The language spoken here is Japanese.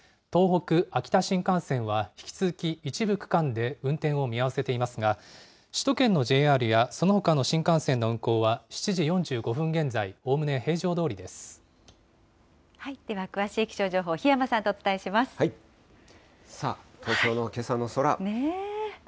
東北・秋田新幹線は引き続き一部区間で運転を見合わせていますが、首都圏のＪＲや、そのほかの新幹線の運行は７時４５分現在、おおでは、詳しい気象情報、檜山さあ、東京のけさの空。